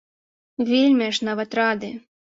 Вельмі аж нават рады.